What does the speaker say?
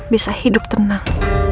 bisa hidup tenang